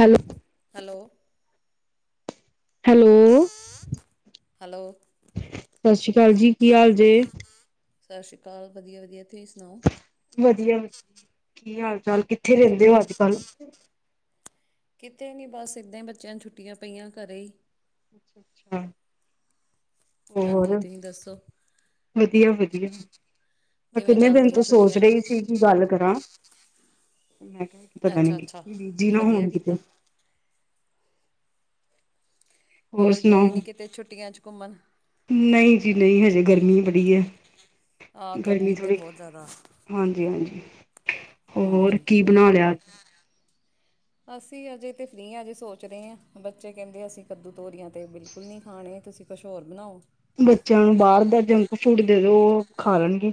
Hello, hello, hello, hello. ਸਾਸ਼ਰੀਕਾਲ ਜੀ ਕੀ ਹਾਲ ਜੇ ਸਾਸਰੀਕਾਲ ਕਾਲ ਵਧੀਆ, ਵਧੀਆ। ਤੁਹੀ ਸੁਣਾਓ? ਵਧੀਆ ਕੀ ਹਾਲ ਚਾਲ ਕਿੱਥੇ ਰੈਂਦੇ ਓ ਅੱਜ ਕੱਲ? ਕਿਤੇ ਨੀ ਬਸ ਏਦਾਂ ਈ ਬੱਚਿਆਂ ਨੂੰ ਛੁੱਟੀਆਂ ਪਈਆਂ ਘਰੇ ਈ। [inaudible] ਹਾਂਜੀ, ਤੁਹੀਂ ਦੱਸੋ? ਵਧੀਆ, ਵਧੀਆ ਮੈਂ ਕਿਵੇਂ ਕਿੰਨੇ ਦਿਨ ਚੱਲਦੀਆਂ ਤੋਂ ਸੋਚ ਛੁੱਟੀਆਂ ਰਈ ਸੀ। ਕੀ ਗੱਲ ਕਰਾਂ ਪਤਾ ਨੀ ਅੱਛਾ ਕੀ ਅੱਛਾ ਬੀਜੀ ਨਾ ਵਧੀਆ ਹੋਣ ਕੀਤਾ ਕਿਤੇ। ਹੋਰ ਗਏ ਨੀ ਕਿਤੇ ਛੁੱਟੀਆਂ ਚ ਘੁੰਮਣ? ਨਈ ਜੀ ਨਈ ਹਜੇ ਗਰਮੀ ਬੜੀ ਐ। ਆਹ ਗਰਮੀ ਤਾਂ ਥੋੜੀ ਬਹੁਤ ਜ਼ਿਆਦਾ ਹਾਂਜੀ, ਹਾਂਜੀ। ਹੋਰ ਹਾਂਜੀ ਕੀ ਬਣਾ ਲਿਆ? ਅਸੀਂ ਅਜੇ ਤੇ ਫ੍ਰਰੀ ਆਂ ਅਜੇ ਸੋਚ ਰੇ ਆਂ ਬੱਚੇ ਕੈਂਦੇ ਅਸੀਂ ਕੱਦੂ, ਤੋਰੀਆਂ ਤੇ ਬਿਲਕੁਲ ਨੀ ਖਾਣੇ। ਤੁਸੀਂ ਕੁਛ ਹੋਰ ਬਨਾਓ। ਬੱਚਿਆਂ ਨੂੰ ਬਾਅਰ ਦਾ ਜੰਕ ਫੂਡ ਦੇ ਦੋ ਓ ਖਾ ਲੈਣਗੇ।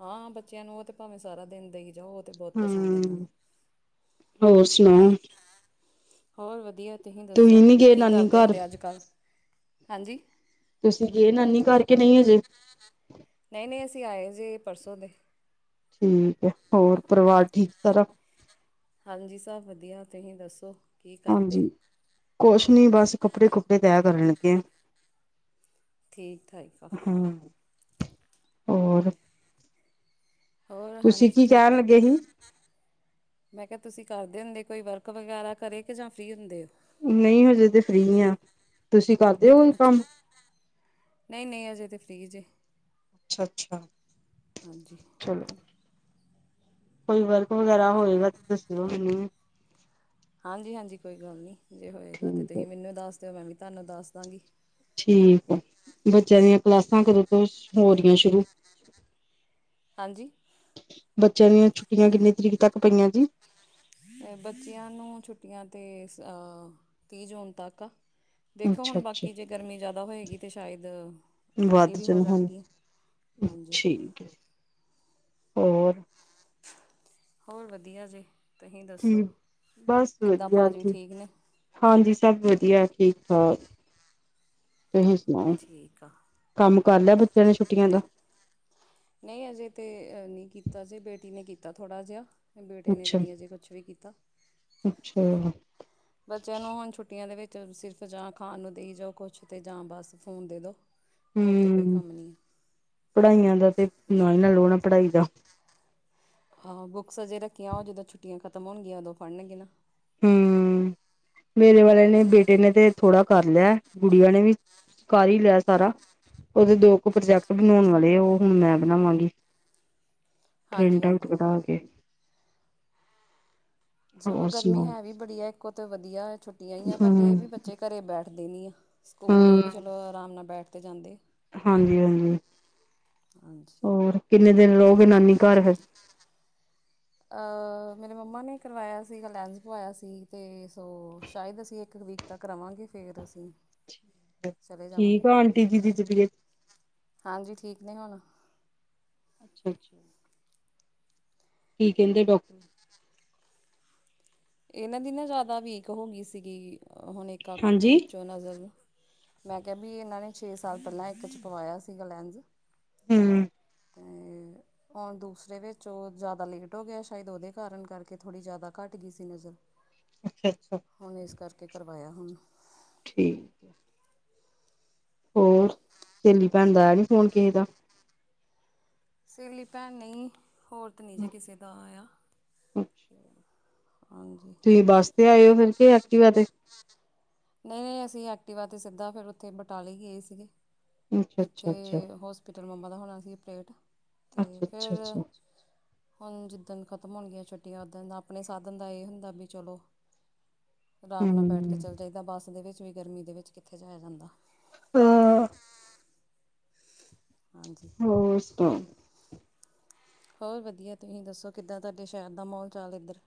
ਹਾਂ ਬੱਚਿਆਂ ਨੂੰ ਓ ਤੇ ਭਾਵੇਂ ਸਾਰਾ ਦਿਨ ਦੇਈ ਜਾਓ। ਤਾਂ ਬਹੁਤ ਪਸੰਦ ਹਾਂ ਇਹਨਾਂ ਨੂੰ ਹੋਰ ਸੁਣਾਓ? ਹੋਰ ਵਧੀਆ ਤੁਹੀਂ ਦੱਸੋ ਤੁਸੀਂ ਨੀ ਗਏ ਕੀ ਨਾਨੀ ਕਰਦੇ ਘਰ ਹੁੰਦੇ ਅੱਜ ਕੱਲ? ਹਾਂਜੀ। ਤੁਸੀਂ ਗਏ ਨਾਨੀ ਘਰ ਕੇ ਨਈ ਹਜੇ। ਨਈ ਨਈ ਅਸੀਂ ਆਏ ਜੇ ਪਰਸੋਂ ਦੇ। ਠੀਕ ਐ ਹੋਰ ਪਰਿਵਾਰ ਠੀਕ ਸਾਰਾ? ਹਾਂਜੀ, ਸਭ ਵਧੀਆ ਤੁਹੀ ਦੱਸੋ? ਕੀ ਕਰਦੇ ਹਾਂਜੀ, ਕੋਛ ਨੀ ਬਸ ਕੱਪੜੇ, ਕੁਪੜੇ ਤੈਅ ਕਰਨ ਲੱਗੇ ਆ। ਠੀਕ ਠਾਕ ਆ ਹਾਂ ਔਰ। ਹੋਰ, ਹਾਂਜੀ ਕੀ ਠੀਕ ਆਂ। ਕਹਿਣ ਲੱਗੇ ਸੀ? ਮੈਂ ਕੇਆ ਤੁਸੀਂ ਕਰਦੇ ਹੁੰਦੇ ਕੋਈ ਵਰਕ ਵਗੈਰਾ ਘਰੇ ਕੇ ਜਾਂ ਫਰੀ ਹੁੰਦੇ ਓ। ਨਈ ਹਜੇ ਤੇ ਫਰੀ ਆਂ ਤੁਸੀਂ ਕ ਅੱਛਾ ਨਈ ਨਈ ਅਜੇ ਤੇ ਫਰੀ ਜੇ। ਅੱਛਾ ਅੱਛਾ। ਹਾਂਜੀ ਚਲੋ ਕੋਈ ਵਰਕ ਵਗੈਰਾ ਹੋਏਗਾ ਤੇ ਦੱਸਿਓ ਮੈਨੂੰ। ਹਾਂਜੀ, ਹਾਂਜੀ ਕੋਈ ਗੱਲ ਨਈ ਜੇ ਹੋਏਗਾ ਤੇ ਠੀਕ ਹੈ। ਤੁਹੀ ਮੈਨੂੰ ਦੱਸ ਦਿਓ ਮੈਂ ਵੀ ਤਾਨੂੰ ਦੱਸ ਦਾਂਗੀ। ਠੀਕ ਐ ਬੱਚਿਆਂ ਦੀਆਂ ਕਲਾਸਾਂ ਕਦੋਂ ਤੋਂ ਹੋ ਰੀਆਂ ਸ਼ੁਰੂ? ਹਾਂਜੀ ਬੱਚਿਆਂ ਦੀਆਂ ਛੁੱਟੀਆਂ ਕਿੰਨੀ ਤਰੀਕ ਤੱਕ ਪਈਆਂ ਜੀ। ਬੱਚਿਆਂ ਨੂੰ ਛੁੱਟੀਆਂ ਤੇ ਅ ਤੀਹ ਜੂਨ ਤੱਕ ਆ। ਦੇਖੋ ਹੁਣ ਅੱਛਾ-ਅੱਛਾ। ਬਾਕੀ ਜੇ ਗਰਮੀ ਜ਼ਿਆਦਾ ਹੋਏਗੀ ਤੇ ਸ਼ਾਇਦ ਅੱਗੇ ਵੱਧ ਵੀ ਜਾਣ ਹੋ ਹੁਣ। ਜਾਣਗੀਆਂ। ਹਾਂਜੀ। ਔਰ। ਹੋਰ ਵਧੀਆ ਜੇ ਤੁਹੀ ਜੀ ਦੱਸੋ ਬਸ ਕਿੱਦਾਂ ਵਧੀਆ ਭਾਜੀ ਜੀ ਠੀਕ ਨੇ‌? ਹਾਂਜੀ ਸਭ ਵਧੀਆ ਠੀਕ ਠਾਕ ਤੁਹੀ ਸੁਣਾਓ। ਠੀਕ ਆ ਕੰਮ ਕਰ ਲੇਆ ਬੱਚਿਆਂ ਨੇ ਛੁੱਟੀਆਂ ਦਾ? ਨਈ ਅਜੇ ਤੇ ਨੀ ਕੀਤਾ ਜੇ ਬੇਟੀ ਨੇ ਕੀਤਾ ਥੋੜ੍ਹਾ ਜਿਹਾ। ਬੇਟੇ ਨੇ ਤਾਂ ਅੱਛਾ ਨਹੀਂ ਅਜੇ ਕੁਛ ਵੀ ਕੀਤਾ। ਅੱਛਾ। ਬੱਚਿਆਂ ਨੂੰ ਹੁਣ ਛੁੱਟੀਆਂ ਦੇ ਵਿੱਚ ਸਿਰਫ ਜਾਂ ਖਾਣ ਨੂੰ ਦੇਈ ਜਾਓ ਕੁਛ ਤੇ ਜਾਂ ਬਸ ਫੋਨ ਦੇਦੋ। [inaudible] ਹੂੰ ਪੜ੍ਹਾਈਆਂ ਦਾ ਤੇ ਨਾ ਹੀ ਨਾ ਲੋੜ ਆ ਪੜ੍ਹਾਈ ਦਾ। ਹਾਂ ਬੁੱਕਸ ਅਜੇ ਰੱਖੀਆਂ ਉਹ ਜਦੋਂ ਛੁੱਟੀਆਂ ਖਤਮ ਹੋਣਗੀਆਂ ਉਦੋਂ ਪੜਨਗੇ। ਹੂੰ ਮੇਰੇ ਵਾਲੇ ਨੇ ਬੇਟੇ ਨੇ ਤੇ ਥੋੜਾ ਕਰ ਲਿਆ ਗੁੜੀਆਂ ਨੇ ਵੀ, ਕਰ ਹੀ ਲਿਆ ਸਾਰਾ ਉਹਦੇ ਦੋ ਪ੍ਰੋਜੈਕਟ ਬਣਾਉਣ ਵਾਲੇ ਉਹ ਹੁਣ ਮੈਂ ਬਣਾਵਾਂਗੀ। ਹਾਂਜੀ ਪ੍ਰਿੰਟ ਆਊਟ ਹਾਂਜੀ ਕਢਾ ਕੇ। ਚਲੋ ਹੋਰ ਗਰਮੀ ਸੁਣਾਓ ਹੈ ਵੀ ਬੜੀ ਐ ਇੱਕੋ ਤੇ ਵਧੀਆ ਛੁੱਟੀਆਂ ਈ ਐ ਪਰ ਇਹ ਹਮ ਵੀ ਬੱਚੇ ਘਰੇ ਬੈਠਦੇ ਨੀ। ਸਕੂਲ ਇਹ ਵੀ ਚਲੋ ਆਰਾਮ ਨਾਲ ਬੈਠ ਤੇ ਜਾਂਦੇ। ਹਾਂਜੀ-ਹਾਂਜੀ, ਹਾਂਜੀ ਹੋਰ ਕਿੰਨੇ ਦਿਨ ਰੋਗੇ ਨਾਨੀ ਘਰ ਫਿਰ? ਅ ਮੇਰੇ ਮੰਮਾ ਨੇ ਕਰਵਾਇਆ ਸੀਗਾ ਲੈਂਸ ਪਵਾਇਆ ਸੀ ਤੇ ਸੋ ਸ਼ਾਇਦ ਅਸੀਂ ਇੱਕ ਵੀਕ ਤਾਂ ਕਰਾਵਾਂਗੇ ਫੇਰ ਅਸੀਂ ਚਲੇ ਜਾਵਾਂਗੇ ਠੀਕ ਆ ਆਂਟੀ ਜੀ ਦੀ ਤਬੀਅਤ? ਹਾਂਜੀ ਠੀਕ ਨੇ ਹੁਣ, [inaudible] ਕੀ ਕਹਿੰਦੇ ਡਾਕ ਇਹਨਾਂ ਦੀ ਨਾ ਜ਼ਿਆਦਾ ਵੀਕ ਹੋ ਗਈ ਸੀਗੀ ਹੁਣ ਇੱਕ ਅੱਖ ਦੇ ਹਾਂਜੀ ਵਿੱਚੋਂ ਨਜ਼ਰ। ਮੈਂ ਕਿਹਾ ਵੀ ਇਹਨਾਂ ਨੇ ਛੇ ਸਾਲ ਪਹਿਲਾਂ ਇੱਕ 'ਚ ਪਵਾਇਆ ਸੀਗਾ ਲੈਂਜ। ਹੂੰ, ਤੇ ਹੁਣ ਦੂਸਰੇ ਵਿੱਚ ਉਹ ਜ਼ਿਆਦਾ ਲੇਟ ਹੋ ਗਿਆ ਸ਼ਾਇਦ ਉਹਦੇ ਕਾਰਨ ਕਰਕੇ ਥੋੜੀ ਜਿਆਦਾ ਘੱਟ ਗਈ ਸੀ। ਤਿਨ ਹਜ਼ਾਰ [inaudible] ਹੁਣ ਏਸ ਕਰਕੇ ਕਰਵਾਇਆ ਹੁਣ। ਠੀਕ। ਹੋਰ, ਸੇਲੀ ਭੈਣ ਦਾ ਆਇਆ ਨੀ ਫੋਣ ਕਿਸੇ ਦਾ? ਸੇਲੀ ਭੈਣ ਨਈ ਹੋਰ ਤੇ ਨਹੀਂ ਜੇ ਕਿਸੇ ਦਾ ਆਇਆ, ਹਾਂਜੀ। ਤੁਸੀਂ ਬੱਸ ਤੇ ਆਇਓ ਫਿਰ ਕੇ ਐਕਟੀਵਾ ਤੇ? ਨਹੀਂ, ਅਸੀਂ ਐਕਟੀਵਾ ਤੇ ਸਿੱਧਾ ਫਿਰ ਉੱਥੇ ਬਟਾਲੇ ਗਏ ਸੀਗੇ ਜਿੱਥੇ ਅੱਛਾ-ਅੱਛਾ-ਅੱਛਾ ਹੋਸ ਪਿੱਟਲ ਮੰਮਾ ਦਾ ਹੋਣਾ ਸੀ ਔਪਰੇਟ, ਤੇ ਫੇਰ ਅੱਛਾ-ਅੱਛਾ-ਅੱਛਾ ਹੁਣ ਜਿੱਦਣ ਖ਼ਤਮ ਹੋਣਗੀਆਂ ਛੁੱਟੀਆਂ ਓਦਣ ਅਪਣੇ ਸਾਧਨ ਦਾ ਏਹ ਹੁੰਦਾ ਵੀ ਚਲੋ ਅਰਾਮ ਨਾਲ ਬੈਠ ਕੇ ਹੂੰ ਚੱਲ ਜਾਈਦਾ ਬੱਸ ਦੇ ਵਿੱਚ ਵੀ ਗਰਮੀ ਦੇ ਵਿੱਚ ਕਿੱਥੇ ਜਾਇਆ ਜਾਂਦਾ। ਹੂੰ, ਹਾਂਜੀ ਹੋਰ ਸੁਣਾਓ? ਹੋਰ ਵਧੀਆ ਤੁਹੀਂ ਦੱਸੋ ਕਿੱਦਾਂ ਤਾਡੇ ਸੈ਼ਰ ਦਾ ਮੌਲ-ਚਾਲ ਇੱਧਰ?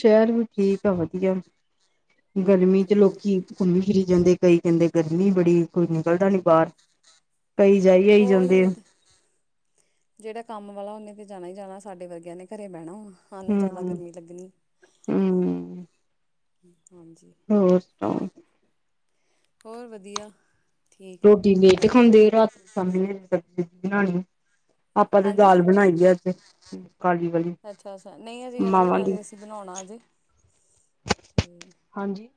ਸੈ਼ਰ ਵੀ ਠੀਕ ਐ ਵਧੀਅ ਐ ਗਰਮੀ ਚ ਤੇ ਲੋਕੀ ਘੁੱਮੀ-ਫਿਰੀ ਜਾਂਦੇ ਕਈ ਕੈੰਦੇ ਗਰਮੀ ਬੜੀ ਕੋਈ ਨਿਕਲਦਾ ਨੀ ਬਾਰ। ਓਹੀਓ ਤੇ। ਜੇੜਾ ਕੰਮ ਵਾਲਾ ਔਨੇ ਫਿਰ ਜਾਣਾ ਈ ਜਾਣਾ, ਸਾਡੇ ਵਰਗਿਆਂ ਨੇ ਘਰੇ ਬੈਣਾ ਵਾ। ਸਾਨੂੰ ਜਿਆਦਾ ਹੂੰ-ਹੂੰ ਗਰਮੀ ਲੱਗਣੀ, ਹੂੰ ਹਾਂਜੀ। ਹੋਰ ਸੁਣਾਓ? ਹੋਰ ਵਧੀਆ ਠੀਕ ਆ ਰੋਟੀ ਲੇਟ ਖਾਂਦੇ ਰਾਤ ਸ਼ਾਮੀ ਲੇ ਸਬਜ਼ੀ ਸਬੀ ਬਣਾਣੀ ਏ। ਆਪਾਂ ਤੇ ਹਾਂਜੀ ਦਾਲ ਬਣਾਈ ਐ ਅੱਜ ਕਾਲੀ ਵਾਲੀ ਅੱਛਾ-ਅੱਛਾ ਨਈ ਹਜੇ ਅਜੇ ਮਾਵਾਂ ਦੀ ਹਜੇ ਅਸੀਂ ਬਣਾਉਣਾ ਅਜੇ ਤੇ ਹਾਂਜੀ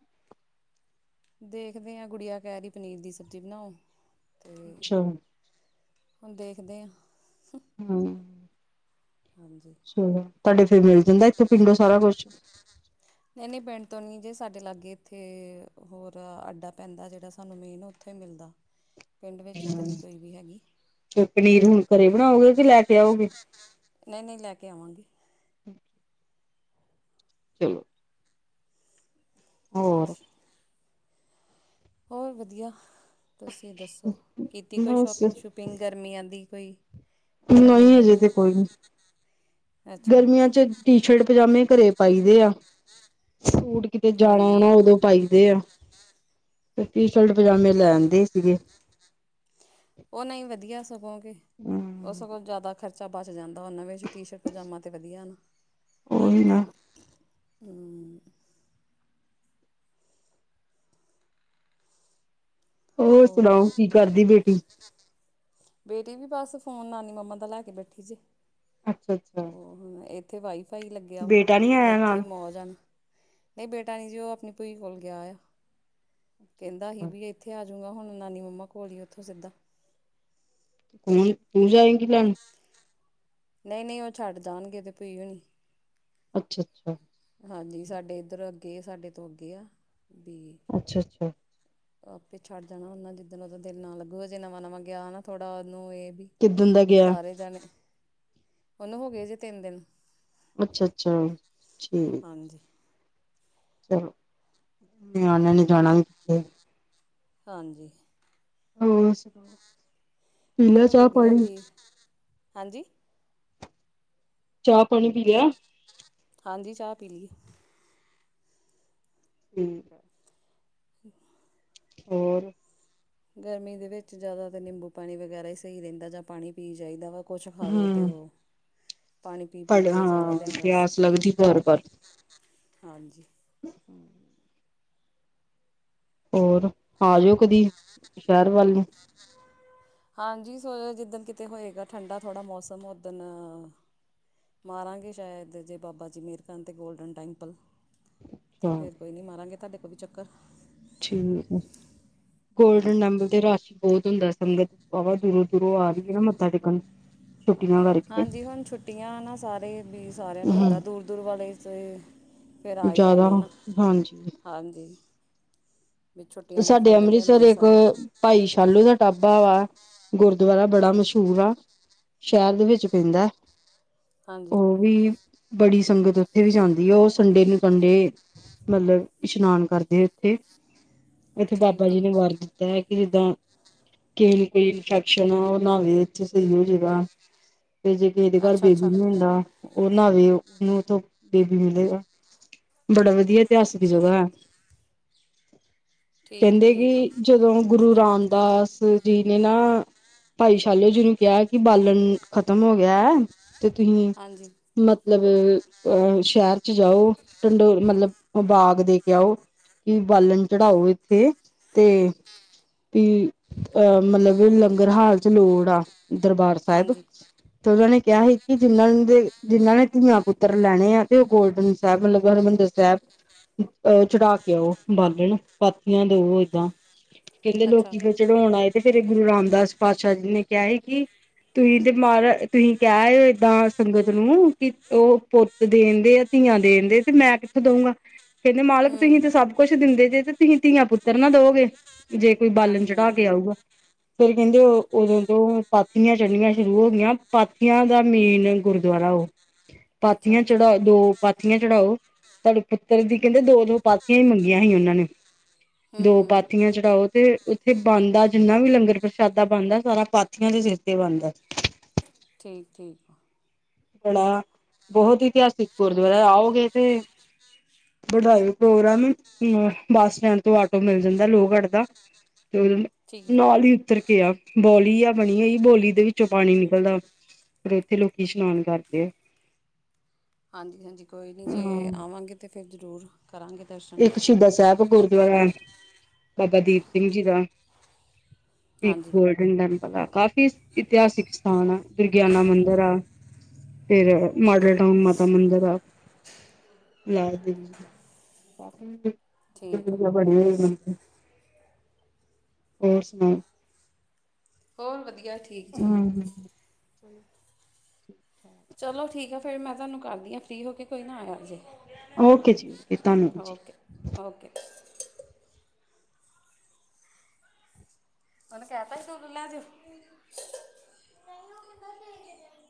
ਦੇਖਦੇ ਆ ਗੁੜੀਆ ਕੈਹ ਰੀ ਪਨੀਰ ਦੀ ਸਬਜ਼ੀ ਬਣਾਓ ਤੇ ਅੱਛਾ ਹੁਣ ਦੇਖਦੇ ਆਂ ਹੂੰ। ਹੂੰ ਹਾਂਜੀ ਚਲੋ ਤਾਡੇ ਫਿਰ ਮਿਲ ਜਾਂਦਾ ਇੱਥੇ ਪਿੰਡੋ ਸਾਰਾ ਕੁਛ ਨਈ-ਨਈ ਪਿੰਡ ਤੋਂ ਨੀ ਜੇ ਸਾਡੇ ਲਾਗੇ ਇੱਥੇ ਹੋਰ ਅੱਡਾ ਪੈਂਦਾ ਜੇੜਾ ਸਾਨੂੰ ਮੇਨ ਉਥੇ ਮਿਲਦਾ ਪਿੰਡ ਵਿੱਚ ਤੇ ਨੀ ਕੋਈ ਵੀ ਹੈਗੀ। ਫਿਰ ਪਨੀਰ ਹੁਣ ਘਰੇ ਬਣਾਓਗੇ ਕਿ ਲੈ ਕੇ ਆਓਗੇ। ਨਈ ਨਈ ਲੈ ਕੇ ਆਵਾਂਗੇ। ਚਲੋ। ਹੋਰ ਅੱਛਾ ਹੋਰ ਵਧੀਆ ਤੁਸੀਂ ਦੱਸੋ ਕੀਤੀ ਕੋਈ ਬਸ ਸ਼ੋਪਿੰਗ-ਸ਼ੂਪਿੰਗ ਗਰਮੀਆਂ ਦੀ ਕੋਈ ਜਾਂ ਨਈ ਨਹੀਂ ਹਜੇ ਅਜੇ ਤੇੇ ਕੋਈ ਨੀ ਅੱਛਾ ਗਰਮੀਆਂ 'ਚ ਟੀ-ਸ਼ਰਟ ਪਜਾਮੇ ਘਰੇ ਪਾਈ ਦੇ ਆ ਸੂਟ ਕਿਤੇ ਹਾਂਜੀ ਜਾਣਾ-ਆਣਾ ਉਦੋਂ ਪਾਈ ਦੇ ਐ ਤੇ ਟੀ-ਸ਼ਰਟ ਪਜਾਮੇ ਲੈ ਆਂਦੇ ਸੀਗੇ। ਓ ਨਈ ਵਧੀਆ ਸਗੋਂ ਕੇ ਓ ਹਮ ਸਗੋਂ ਜੈਦਾ ਖਰ ਚਾ ਬਚ ਜਾਂਦਾ ਵਾ ਨਵੇਚ ਟੀ-ਸ਼ਰਟ ਪਜਾਮਾ ਤੇ ਵਧੀਆ ਨਾ। ਓਹੀ ਨਾ ਹੂੰ ਹੋਰ ਸੁਣਾਓ ਕੀ ਕਰਦੀ ਬੇਟੀ ਬੇਟੀ ਵੀ ਬਸ ਫੋਨ ਨਾਨੀ-ਮੰਮਾ ਦਾ ਲੈ ਕੇ ਬੈਠੀ ਜੇ ਅੱਛਾ- ਅੱਛਾ ਹੂੰ ਏਥੇ ਵਾਈਫਾਈ ਲੱਗਿਆ ਵਾ ਬੇਟਾ ਨੀ ਹੁਣ ਆਇਆ ਏਥੇ ਨਾਲ ਮੌਜ ਆ। ਨਈ ਬੇਟਾ ਨਈ ਜੀ ਓ ਅਪਣੀ ਭੂਈ ਕੋਲ ਗਿਆ ਆ। ਕੈੰਦਾ ਹੀ ਅੱਛਾ ਬੀ ਏਥੇ ਆਜੂਗਾ ਹੁਣ ਨਾਨੀ ਮੰਮਾ ਕੋਲ ਹੀ ਉਥੋਂ ਸਿੱਧਾ‌ ਹੁਣ ਤੂੰ ਜਾਏਂਗੀ ਲੈਣ। ਨਈ- ਨਈ ਓ ਛੱਡ ਜਾਣਗੇ ਉਦੇ ਭੈ ਹੋਨੀ। ਅੱਛਾ-ਅੱਛਾ ਹਾਂਜੀ ਸਾਡੇ ਇੱਧਰ ਅੱਗੇ ਸਾਡੇ ਤੋਂ ਅੱਗੇ ਆ ਬੀ ਅੱਛਾ-ਅੱਛਾ ਆਪੇ ਛੱਡ ਜਾਣਾ ਉਹਨਾ ਜਿੱਦਾਂ ਓਦੋਂ ਦਿਲ ਨਾ ਲੱਗੂਗਾ ਜੇ ਨਵਾਂ-ਨਵਾਂ ਗਿਆ ਨਾ ਥੋੜਾ ਉਹਨੂੰ ਇਹ ਵੀ ਕਿੱਦਣ ਦਾ ਗਿਆ ਸਾਰੇ ਜਾਣੇ ਉਹਨੂੰ ਹੋ ਗਏ ਜੇ ਤਿੰਨ ਦਿਨ ਅੱਛਾ-ਅੱਛਾ ਠੀਕ ਹਾਂਜੀ ਚਲੋ ਨਿਆਣਿਆਂ ਨੇ ਜਾਣਾ ਵੀ ਕਿੱਥੇ ਹਾਂਜੀ ਹੋਰ ਸੁਣਾਓ ਪੀ ਲਿਆ ਹੋਰ ਚਾਹ ਵਧੀਆ ਪਾਣੀ ਤੇ ਹਾਂਜੀ ਚਾਹ ਪਾਣੀ ਪੀ ਲਿਆ। ਹਾਂਜੀ ਚਾਹ ਪੀ ਲਈ ਆ। ਠੀਕ ਆ। [unintelligible] ਹੋਰ ਗਰਮੀ ਦੇ ਵਿੱਚ ਜ਼ਿਆਦਾਤਰ ਨਿੰਬੂ-ਪਾਣੀ ਵਗੈਰਾ ਹੀ ਸਹੀ ਰਹਿੰਦਾ ਜਾਂ ਪਾਣੀ ਪੀ ਜਾਈਦਾ ਵਾ। ਕੁਛ ਖਾ ਲੋ ਤੇ ਹੂੰ ਉਹ ਪਾਣੀ ਪੀ-ਪੀ ਤੁਹਾਡੇ ਕੇ ਸਾਰਾ ਹਾਂ ਦਿਨ ਬਸ, ਪਿਆਸ ਲੱਗਦੀ ਬਾਰ ਬਾਰ ਹਾਂਜੀ। [inaudible] ਹੋਰ ਆ ਜਾਓ ਕਦੀ ਸ਼ਹਿਰ ਵੱਲ ਨੂੰ। ਹਾਂਜੀ, ਸੋਇ ਜਿੱਦ ਦਿਨ ਕਿਤੇ ਹੋਏਗਾ ਠੰਡਾ ਥੋੜ੍ਹਾ ਮੌਸਮ ਉੱਦਣ ਮਾਰਾਂਗੇ ਸ਼ਾਇਦ ਜੇ ਬਾਬਾ ਜੀ ਮੇਹਰ ਕਰਨ ਤੇ ਗੋਲਡਨ ਟੈਂਪਲ। ਤੇ ਅੱਛਾ ਫੇਰ ਕੋਈ ਨਹੀਂ ਮਾਰਾਂਗੇ ਤੁਹਾਡੇ ਕੋਲ ਵੀ ਚੱਕਰ। ਠੀਕ ਹੈ, ਗੋਲਡਨ ਹਾਂਜੀ ਟੈਂਪਲ ਤੇ ਰਸ਼ ਬਹੁਤ ਹੁੰਦਾ, ਸੰਗਤ ਵਵਾ ਦੂਰੋਂ-ਦੂਰੋਂ ਆ ਰਹੀ ਹੈ ਨਾ ਮੱਥਾ ਟੇਕਣ। ਛੁੱਟੀਆਂ ਕਰਕੇ। ਹਾਂਜੀ, ਹੁਣ ਛੁੱਟੀਆਂ ਨਾ ਸਾਰੇ ਵੀ ਸਾਰਿਆਂ ਨੂੰ ਹੂੰ ਹੁੰਦਾ ਦੂਰ-ਦੂਰ ਵਾਲੇ ਤੇ ਫਿਰ ਆ ਹੀ ਜ਼ਿਆਦਾ ਜਾਂਦੇ ਨਾ, ਹਾਂਜੀ ਹਾਂਜੀ। ਵੀ ਛੁੱਟੀਆਂ ਦਾ ਸਾਡੇ ਫਾਇਦਾ ਅੰਮ੍ਰਿਤਸਰ ਲੈਂਦੇ ਇੱਕ ਸਾਰੇ। ਭਾਈ ਸ਼ਾਲੂ ਦਾ ਢਾਬਾ ਵਾ ਗੁਰਦੁਆਰਾ ਬੜਾ ਮਸ਼ਹੂਰ ਆ। ਸ਼ਹਿਰ ਦੇ ਵਿੱਚ ਪੈਂਦਾ ਹਾਂਜੀ ਉਹ ਵੀ ਬੜੀ ਸੰਗਤ ਉੱਥੇ ਵੀ ਜਾਂਦੀ ਹੈ ਉਹ ਸੰਡੇ ਨੂੰ ਸੰਡੇ। ਮਤਲਬ ਇਸ਼ਨਾਨ ਕਰਦੇ ਆ ਉੱਥੇ। ਇੱਥੇ ਠੀਕ ਬਾਬਾ ਜੀ ਆ ਨੇ ਵਰ ਦਿੱਤਾ ਹੈ ਕਿ ਜਿੱਦਾਂ ਕਿ ਕੋਈ ਇਨਫੈਕਸ਼ਨ ਉਹ ਨਾਵੇ ਇੱਥੇ ਸਹੀ ਹੋ ਜਾਏਗਾ। ਤੇ ਜੇ ਕਿਸੇ ਦੇ ਘਰ ਅੱਛਾ ਬੇਬੀ ਅੱਛਾ ਨੀ ਹੁੰਦਾ। ਉਹ ਨਾਵੇ ਉਹਨੂੰ ਉੱਥੋਂ ਬੇਬੀ ਮਿਲੇਗਾ ਬੜਾ ਵਧੀਆ ਇਤਿਹਾਸਿਕ ਜਗ੍ਹਾ ਹੈ। ਠੀਕ ਕਹਿੰਦੇ ਠੀਕ ਆ ਕਿ ਜਦੋਂ ਗੁਰੂ ਰਾਮਦਾਸ ਜੀ ਨੇ ਨਾ ਭਾਈ ਸ਼ਾਲੋ ਜੀੂੰ ਕਿਹਾ ਕਿ ਬਾਲਣ ਖਤਮ ਹੋ ਗਿਆ ਹੈ ਤੇ ਤੁਸੀ ਹਾਂਜੀ ਮਤਲਬ ਅ ਸ਼ਹਿਰ ਚ ਜਾਓ ਟਡੋਰ ਮਤਲਬ ਬਾਗ ਦੇ ਕੇ ਆਓ। ਕਿ ਬਾਲਣ ਚੜ੍ਹਾਓ ਇੱਥੇ ਤੇ ਕਿ ਅਹ ਮਤਲਬ ਲੰਗਰ ਹਾਲ ਚ ਲੋੜ ਆ ਦਰਬਾਰ ਸਾਹਿਬ। ਹਾਂਜੀ ਤੇ ਉਹਨਾਂ ਨੇ ਕਿਹਾ ਸੀ ਕਿ ਜਿਨਾਂ ਦੇ ਜਿਨਾਂ ਨੇ ਧੀਆਂ ਪੁੱਤਰ ਲੈਣੇ ਆ ਤੇ ਉਹ ਗੋਲਡਨ ਸਾਹਿਬ ਮਤਲਬ ਹਰਿਮੰਦਰ ਸਾਹਿਬ ਅਹ ਚੜਾ ਕੇ ਉਹ ਬਾਲਣ ਨੂੰ। ਥਕਿਆਂ ੳਉਹ ਏਦਾਂ ਕਿਹੇ ਅੱਛਾ ਲੋਕੀ ਚੜਾਉਣ ਆਏ ਤੇ ਫੇਿਰ ਗੁਰੂ ਰਾਮਦਾਸ ਪਾਤਸ਼ਾਹ ਜੀ ਨੇ ਕਿਹਾ ਹੈ ਕਿ ਤੁਸੀਂ ਤੇ ਮਹਾਰਾਜ ਤੁਸੀਂ ਕਹਿ ਰਹੇ ਹੋ ਏਦਾਂ ਸੰਗਤ ਨੂੰ ਕਿ ਉਹ ਪੁਤ ਦੇਣ ਦੇ ਆ ਧੀਆਂ ਦੇਣ ਦੇ ਤੇ ਮੈਂ ਕਿੱਥੋਂ ਦਊਂਗਾ ਕਹਿੰਦੇ ਮਾਲਕ ਹੂੰ ਤੁਸੀਂ ਤੇ ਸਭ ਕੁੱਛ ਦਿੰਦੇ ਜੇ ਤੇ ਧੀ-ਧੀਆਂ-ਪੁੱਤਰ ਨਾ ਦੋਗੇ ਜੇ ਕੋਈ ਬਾਲਣ ਹਾਂਜੀ ਚੜਾ ਹਾਂਜੀ ਕੇ ਆਊਗਾ। ਫੇਰ ਕਹਿੰਦੇ ਓਦੋਂ ਤੋਂ ਪਾਥੀਆਂ ਚੜ੍ਹਨੀਆਂ ਸ਼ੁਰੂ ਹੋ ਗਈਆਂ ਪਾਥੀਆਂ ਦਾ ਮੇਨ ਗੁਰਦੁਆਰਾ ਉਹ ਅੱਛਾ ਪਾਥੀਆਂ ਅੱਛਾ ਚੜਾ ਜੋ ਪਾਥੀਆਂ ਚੜਾਓ ਤੁਹਾਡੇ ਪੁੱਤਰ ਦੀ ਕਹਿੰਦੇ ਦੋ-ਦੋ ਪਾਥੀਆਂ ਹੀ ਮੰਗੀਆਂ ਸੀ ਉਹਨਾਂ ਨੇ। ਦੋ ਹੂੰ ਹੂੰ ਪਾਥੀਆਂ ਚੜਾਓ ਤੇ ਉੱਥੇ ਬਣਦਾ ਜਿੰਨਾ ਵੀ ਲੰਗਰ ਪ੍ਰਸ਼ਾਦਾ ਬਣਦਾ ਸਾਰਾ ਪਾਥੀਆਂ ਦੇ ਸਿਰ ਤੇ ਬਣਦਾ। ਠੀਕ- ਠੀਕ। ਬੜਾ ਬਹੁਤ ਇਤਿਹਾਸਿਕ ਗੁਰਦੁਆਰਾ ਆਓਗੇ ਤੇ ਵਧਾਈ ਪ੍ਰੋਗਰਾਮ ਬੱਸ ਸਟੈਂਡ ਤੋਂ ਆਟੋ ਮਿਲ ਜਾਂਦਾ ਲੋਗੜ ਦਾ ਤੇ ਠੀਕ ਆ ਨਾਲ ਹੀ ਉੱਤਰ ਕੇ ਆ। ਬੌਲੀ ਆ ਬਣੀ, ਬੌਲੀ ਦੇ ਵਿੱਚੋਂ ਪਾਣੀ ਨਿਕਲਦਾ, ਫਿਰ ਉੱਥੇ ਲੋਕੀ ਇਸਨਾਨ ਕਰਦੇ ਹਾਂਜੀ-ਹਾਂਜੀ ਕੋਈ ਨਹੀਂ ਜੇ, ਹਾਂ ਆਵਾਂਗੇ ਤਾਂ ਫਿਰ ਜ਼ਰੂਰ ਕਰਾਂਗੇ ਦਰਸ਼ਨ ਇੱਕ ਸ਼ੁਦਾ ਸਾਹਿਬ ਗੁਰਦੁਆਰਾ ਹੈ, ਬਾਬਾ ਦੀਪ ਸਿੰਘ ਜੀ ਦਾ ਇੱਕ ਹਾਂਜੀ ਗੋਲਡਨ ਟੈਂਪਲ ਆ, ਕਾਫ਼ੀ ਇਤਿਹਾਸਿਕ ਸਥਾਨ ਆ ਦੁਰਗਿਆਨਾ ਮੰਦਿਰ, ਆ ਫਿਰ, ਮਾਡਲ ਟਾਊਨ ਮਾਤਾ ਮੰਦਿਰ, ਆ ਲ ਕਾਫੀ ਠੀਕ ਆ ਜਗਾ ਬਨੀਆ ਏ, ਉਥੇ ਹੋਰ ਸੁਣਾਓ? ਹੋਰ ਵਧੀਆ, ਠੀਕ ਜੇ ਹਮ ਚਲੋ ਠੀਕ ਆ, ਫੇਰ ਮੈਂ ਤੁਹਾਨੂੰ ਕਰਦੀ ਹਾਂ, ਫ੍ਰਰੀ ਹੋ ਕੇ ਕੋਈ ਨਾ ਆਇਆ ਜੇ ਓਕੇ ਜੀ ਓਕੇ ਧੰਨਵਾਦ ਜੀ ਓਕੇ, ਓਕੇ ਉਹਨੂੰਕਹਿ ਤਾ ਸੀਂ, ਏਨਾ ਚਿਰ